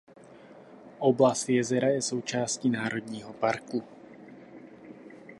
Oblast jezera je součástí národního parku.